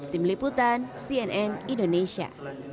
tim liputan cnn indonesia